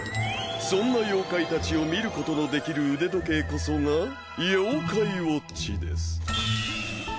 そんな妖怪たちを見ることのできる腕時計こそが妖怪ウォッチです。